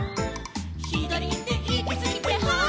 「ひだりいっていきすぎてはっ」